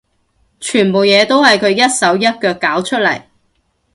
全部嘢都係佢一手一腳搞出嚟